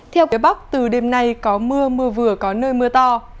theo quý vị phía bắc từ đêm nay có mưa mưa vừa có nơi mưa to